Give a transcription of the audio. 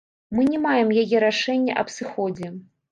Мы не маем яе рашэння аб сыходзе.